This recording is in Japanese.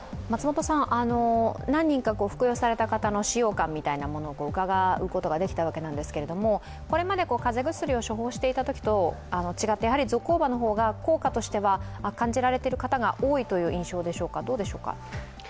何人か服用された方の使用感みたいなものを伺うことができたわけなんですけれども、これまで風邪薬を処方していたときと違ってやはりゾコーバの方が効果としては感じられた方が多いという印象でしょうか？